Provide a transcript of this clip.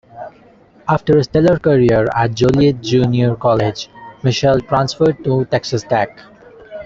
After a stellar career at Joliet Junior College, Mitchell transferred to Texas Tech.